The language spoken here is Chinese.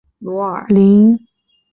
林翰生于清朝光绪四年。